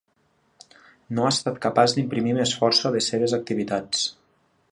No ha estat capaç d’imprimir més força a les seves activitats?